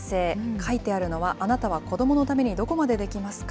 書いてあるのは、あなたは子どものためにどこまでできますか？